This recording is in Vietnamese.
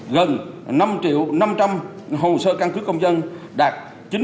gần năm triệu năm trăm linh hồ sơ căn cứ công dân đạt chín mươi bốn ba